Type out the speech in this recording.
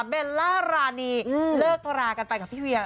เบลล่ารานีเลิกรากันไปกับพี่เวีย